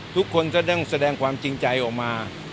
ทุกคนก็ต้องแสดงความจริงใจออกมา